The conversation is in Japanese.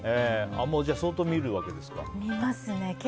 じゃあ、相当見るわけですか？